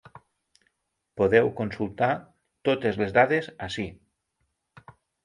Podeu consultar totes les dades ací.